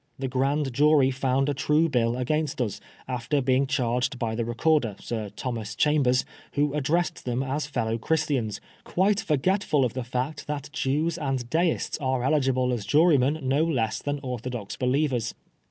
The grand jury found a true bill against us, after being charged by the Recorder, Sir Thomas Chambers, who addressed them as fellow Christians, quite forgetful of the fact that Jews and Deists are eligible as jurymen no less than orthodox believers.